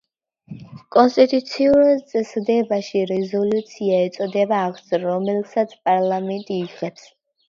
კონსტიტუციურ წესდებაში რეზოლუცია ეწოდება აქტს, რომელსაც პარლამენტი იღებს.